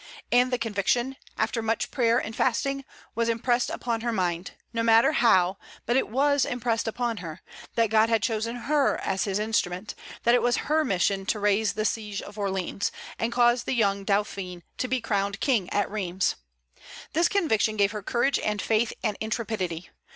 And the conviction, after much prayer and fasting, was impressed upon her mind no matter how, but it was impressed upon her that God had chosen her as His instrument, that it was her mission to raise the siege of Orleans, and cause the young Dauphin to be crowned king at Rheims. This conviction gave her courage and faith and intrepidity.